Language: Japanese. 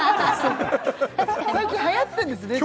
最近はやってるんですね